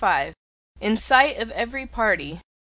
IN SIGHT OF EVERY PARTY.